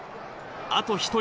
あと１人。